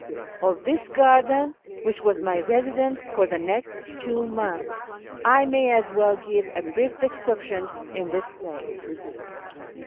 Of this garden, which was my residence for the next two months, I may as well give a brief description in this place.